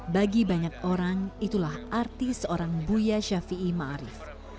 bagi banyak orang itulah arti seorang buya shafi'i ma'arif